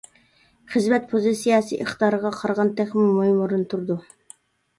خىزمەت پوزىتسىيەسى ئىقتىدارغا قارىغاندا تېخىمۇ مۇھىم ئورۇندا تۇرىدۇ.